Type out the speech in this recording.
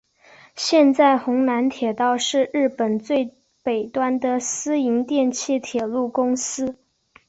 现在弘南铁道是日本最北端的私营电气铁路公司。